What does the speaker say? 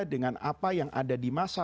dengan apa yang ada di masa